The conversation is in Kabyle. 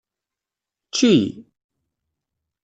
Ečč-iyi!